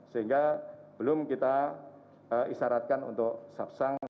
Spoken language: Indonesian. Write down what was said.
sehingga belum kita isaratkan untuk sub sang